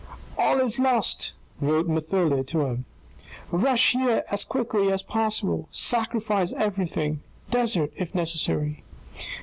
" All is lost," wrote Mathilde to him :" Rush here as quickly as possible, sacrifice everything, desert if necessary.